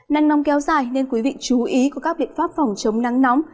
năng nóng kéo dài nên quý vị chú ý có các biện pháp phòng chống nắng nóng